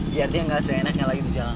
biar dia nggak seenaknya lagi di jalan